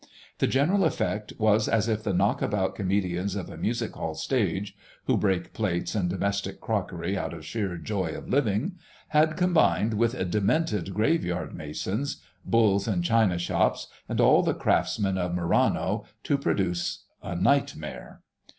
The general effect was as if the knock about comedians of a music hall stage (who break plates and domestic crockery out of sheer joy of living) had combined with demented graveyard masons, bulls in china shops, and all the craftsmen of Murano, to produce a nightmare.